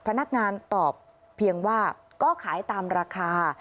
พนักงานตอบเพียงว่าก็ขายตามราคา